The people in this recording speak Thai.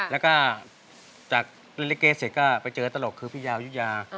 แล้วก็จากเล่นลิกเกย์เสร็จก็ไปเจออีกตะลกขึ้นคือพี่ยาวยุฤงยา